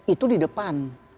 itu di depan